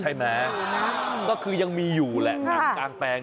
ใช่ไหมก็คือยังมีอยู่แหละหนังกลางแปลง